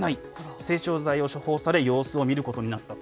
整腸剤を処方され、様子を見ることになったと。